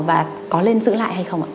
và có nên giữ lại hay không ạ